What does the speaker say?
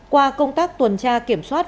qua công tác tuần tra kiểm soát